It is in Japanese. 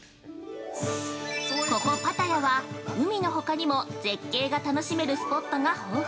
◆ここパタヤは、海のほかにも、絶景が楽しめる、スポットが豊富。